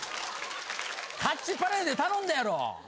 タッチパネルで頼んだやろ！